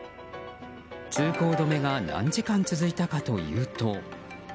通行止めが何時間続いたかというと。